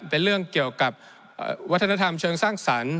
เป็นเรื่องเกี่ยวกับวัฒนธรรมเชิงสร้างสรรค์